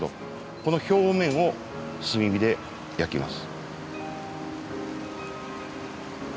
この表面を炭火で焼きます。